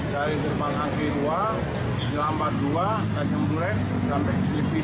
gerbang angke dua gelambar dua dan jemburin sampai selipi dua